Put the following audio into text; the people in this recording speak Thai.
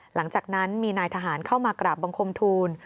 หลังจากนั้นมีนายทหารเข้ามากราบบังคมทูล